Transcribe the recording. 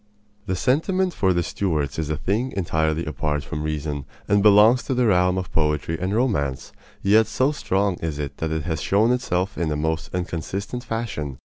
This sentiment for the Stuarts is a thing entirely apart from reason and belongs to the realm of poetry and romance; yet so strong is it that it has shown itself in the most inconsistent fashion.